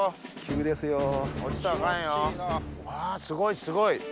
すごいすごい。